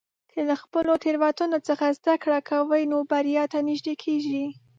که له خپلو تېروتنو څخه زده کړه کوې، نو بریا ته نږدې کېږې.